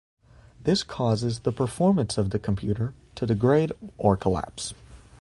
This causes the performance of the computer to degrade or collapse.